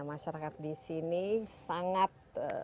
masyarakat disini sangat